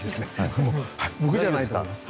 僕じゃないと思います。